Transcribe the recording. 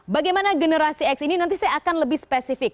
bagaimana generasi x ini nanti saya akan lebih spesifik